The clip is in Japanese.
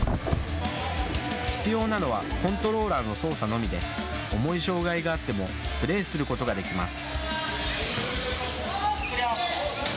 必要なのはコントローラーの操作のみで重い障害があってもプレーすることができます。